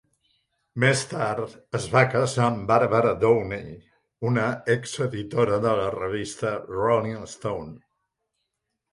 Més tard es va casar amb Barbara Downey, una exeditora de la revista 'Rolling Stone'.